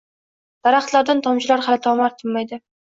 Daraxtlardan tomchilar hali tomar tinmaydi.